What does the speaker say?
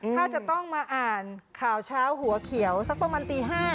ถ้าจะต้องมาอ่านข่าวเช้าหัวเขียวสักประมาณตี๕